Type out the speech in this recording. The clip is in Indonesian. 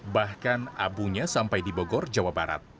bahkan abunya sampai di bogor jawa barat